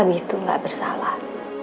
abi itu gak bersalah